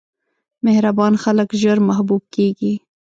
مهربان خلک ژر محبوب کېږي.